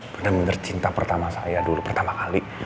bener bener cinta pertama saya dulu pertama kali